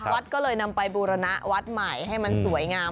วัดก็เลยนำไปบูรณะวัดใหม่ให้มันสวยงาม